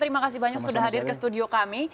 terima kasih banyak sudah hadir ke studio kami